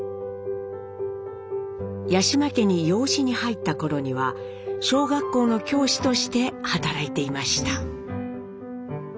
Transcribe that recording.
八嶋家に養子に入った頃には小学校の教師として働いていました。